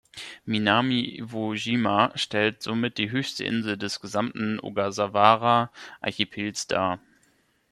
Minami-Iwojima stellt somit die höchste Insel des gesamten Ogasawara-Archipels dar.